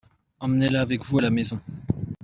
Emmenez-la avec vous à la maison.